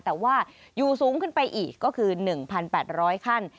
แต่ว่าอยู่สูงขึ้นไปอีกก็คือ๑๘๐๐ขั้น